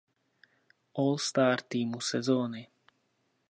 All star týmu sezony.